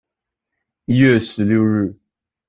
一月十六日